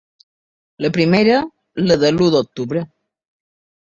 La primera, la de l’u d’octubre.